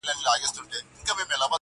تا چي نن په مينه راته وكتل.